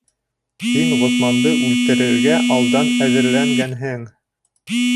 Һин Ғосманды үлтерергә алдан әҙерләнгәнһең.